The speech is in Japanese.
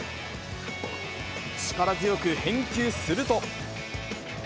力強く返球すると。